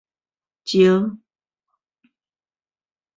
招